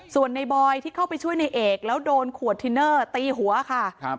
ส่วนในบอยที่เข้าไปช่วยในเอกแล้วโดนขวดทินเนอร์ตีหัวค่ะ